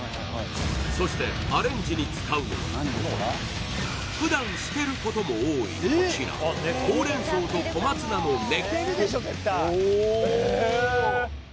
そして、アレンジに使うのは、ふだん捨てることも多いこちら、ほうれん草と小松菜の根。